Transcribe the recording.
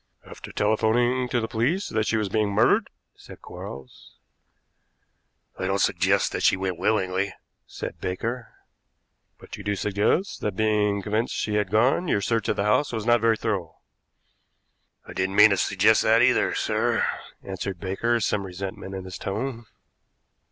"After telephoning to the police that she was being murdered?" said Quarles. "I don't suggest that she went willingly," said Baker. "But you do suggest that, being convinced she had gone, your search of the house was not very thorough?" "I didn't mean to suggest that, either, sir," answered Baker, some resentment in his tone.